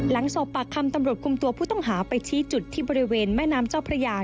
หลังสอบปากคำตำรวจคุมตัวผู้ต้องหาไปชี้จุดที่บริเวณแม่น้ำเจ้าพระยา